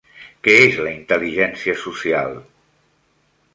Què és la intel·ligència social?